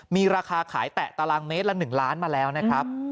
มีราคาขายแตะตารางเมตรละ๑ล้านมาแล้วนะครับ